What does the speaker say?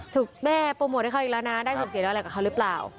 ถูกแม่โปรโมทให้เขาอีกแล้วนะได้ส่วนเสียแล้วอะไรกับเขาหรือเปล่า